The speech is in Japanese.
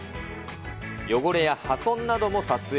汚れや破損なども撮影。